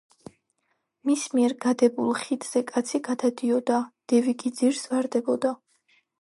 მის მიერ გადებულ ხიდზე კაცი გადადიოდა; დევი კი ძირს ვარდებოდა.